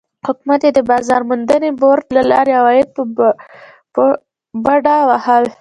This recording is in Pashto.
حکومت یې د بازار موندنې بورډ له لارې عواید په بډه وهل.